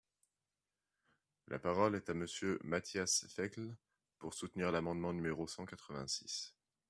La parole est à Monsieur Matthias Fekl, pour soutenir l’amendement numéro cent quatre-vingt-six.